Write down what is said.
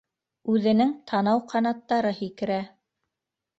- Үҙенең танау ҡанаттары һикерә.